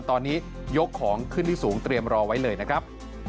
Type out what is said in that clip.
ตอนนี้ยกของขึ้นที่สูงเตรียมรอไว้เลยนะครับ